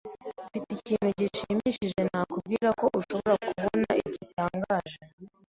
Mfite ikintu gishimishije nakubwira ko ushobora kubona gitangaje.